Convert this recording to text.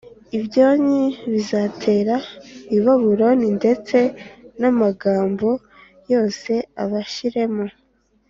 Ibyonnyi bizatera i Babuloni ndetse n’amagambo yose abashiremo